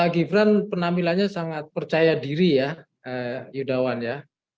gibran penampilannya sangat percaya diri ya yudawan ya